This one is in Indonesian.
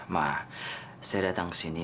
maaf saya datang ke sini